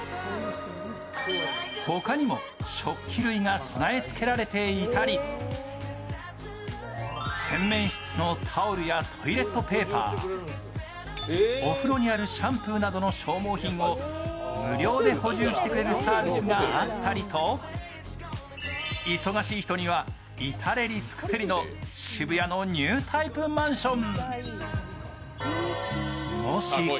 他にも、食器類が備え付けられていたり洗面室のタオルやトイレットペーパー、お風呂にあるシャンプーなどの消耗品も無料で補充してくれるサービスがあったりと忙しい人には至れり尽くせりの渋谷のニュータイプマンション。